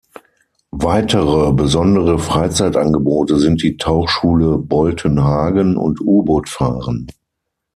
Weitere besondere Freizeitangebote sind die Tauchschule Boltenhagen und U-Boot fahren.